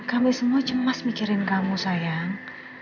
kami semua cemas mikirin kamu sayang